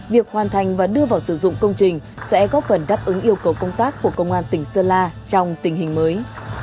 việc hoàn thành và đưa vào sử dụng công trình sẽ góp phần đáp ứng yêu cầu công tác của công an tỉnh sơn la trong tình hình mới